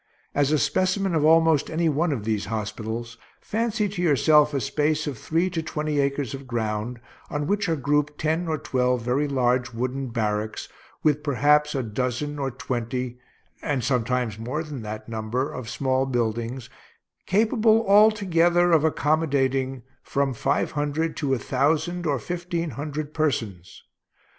As a specimen of almost any one of these hospitals, fancy to yourself a space of three to twenty acres of ground, on which are grouped ten or twelve very large wooden barracks, with, perhaps, a dozen or twenty, and sometimes more than that number, of small buildings, capable all together of accommodating from five hundred to a thousand or fifteen hundred persons.